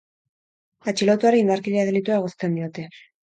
Atxilotuari indarkeria delitua egozten diote.